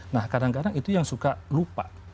nah kadang kadang itu yang suka lupa